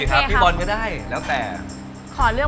ตัดไปเลย